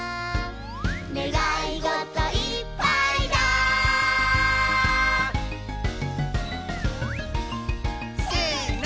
「ねがいごといっぱいだ」せの！